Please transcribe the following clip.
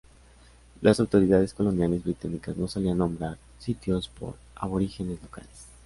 Las autoridades coloniales británicas no solían nombrar sitios por aborígenes locales.